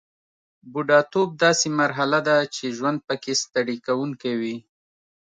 بوډاتوب داسې مرحله ده چې ژوند پکې ستړي کوونکی وي